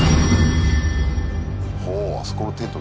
ほうあそこのテント